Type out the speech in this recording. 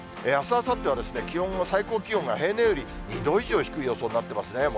あす、あさっては、気温、最高気温が平年より２度以上低い予想になってますね。